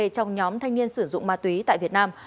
trong nhóm thanh niên sử dụng ma túy tại việt nam